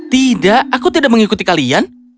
tidak aku tidak mengikuti kalian